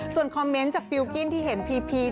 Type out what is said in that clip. ส่วนคอมเมนต์จากฟิลกิ้นที่เห็นพีพี